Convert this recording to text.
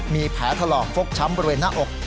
มีแผลถลอกฟกช้ำบริเวณหน้าอก